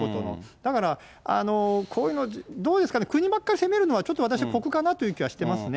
だから、こういうの、どうですかね、国ばっかり責めるのはちょっと私、酷かなという気はしてますね。